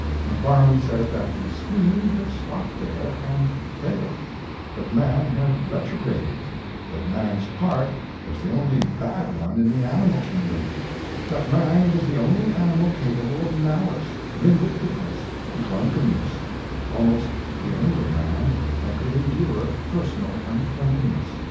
Macfarlane said that the scheme had stopped there, and failed; that man had retrograded; that man's heart was the only bad one in the animal kingdom: that man was the only animal capable of malice, vindictiveness, drunkenness almost the only animal that could endure personal uncleanliness.